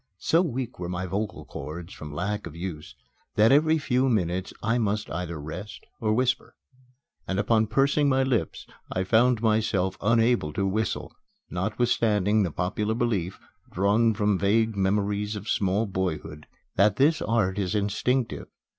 So weak were my vocal cords from lack of use that every few minutes I must either rest or whisper. And upon pursing my lips I found myself unable to whistle, notwithstanding the popular belief, drawn from vague memories of small boyhood, that this art is instinctive.